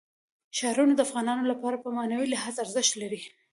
ښارونه د افغانانو لپاره په معنوي لحاظ ارزښت لري.